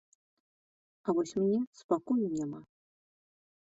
А вось мне спакою няма.